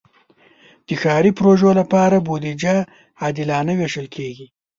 د ښاري پروژو لپاره بودیجه عادلانه ویشل کېږي.